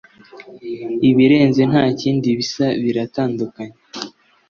ibirenze ntakindi bisa biratandukanye